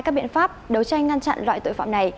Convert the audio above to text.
các biện pháp đấu tranh ngăn chặn loại tội phạm này